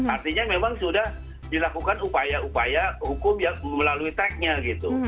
artinya memang sudah dilakukan upaya upaya hukum yang melalui teknya gitu